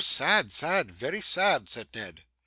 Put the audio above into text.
sad, sad; very sad!' said Ned.